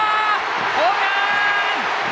ホームラン！